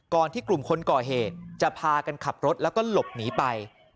ที่กลุ่มคนก่อเหตุจะพากันขับรถแล้วก็หลบหนีไป